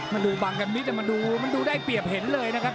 มันดูบังกันนิดมันดูมันดูได้เปรียบเห็นเลยนะครับ